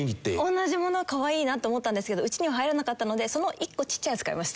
同じ物可愛いなって思ったんですけどうちには入らなかったのでその１個ちっちゃいやつ買いました。